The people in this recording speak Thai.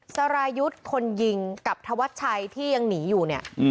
สรายุทธ์คนยิงกับธวัชชัยที่ยังหนีอยู่เนี่ย